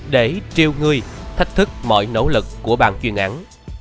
để triêu ngưi thách thức mọi nỗ lực của ban chuyên án